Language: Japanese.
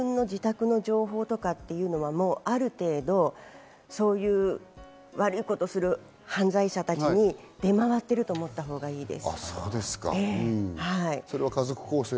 今、自分の情報、自分の自宅の情報とかっていうのは、もうある程度、悪いことをする犯罪者たちに出回っていると思ったほうがいいです。